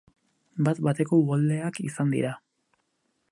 Bat-bateko uholdeak izan dira.